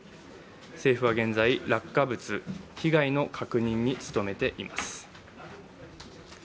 政府は現在、落下物、被害の確認に努めています。